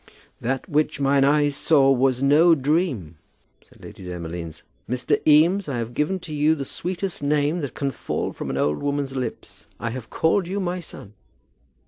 "That which mine eyes saw was no dream," said Lady Demolines. "Mr. Eames, I have given to you the sweetest name that can fall from an old woman's lips. I have called you my son."